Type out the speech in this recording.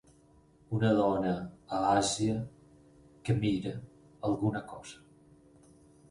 Una dona a Àsia que mira alguna cosa.